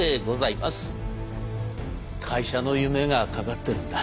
「会社の夢がかかってるんだ。